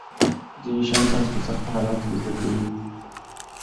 ځینې شیان تاسو په سختو حالاتو کې زده کوئ.